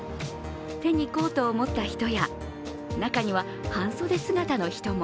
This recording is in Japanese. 手にコートを持った人や、中には半袖姿の人も。